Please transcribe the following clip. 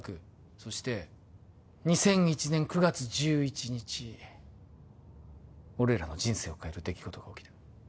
そして２００１年９月１１日、俺らの人生を変える出来事が。